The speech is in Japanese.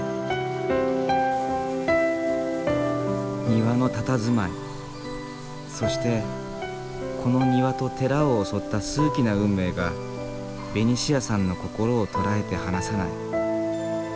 庭のたたずまいそしてこの庭と寺を襲った数奇な運命がベニシアさんの心を捉えて離さない。